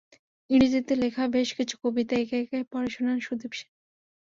ইংরেজিতে লেখা বেশ কিছু কবিতা একে একে পড়ে শোনান সুদীপ সেন।